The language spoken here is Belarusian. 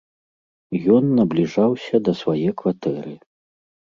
Ён набліжаўся да свае кватэры.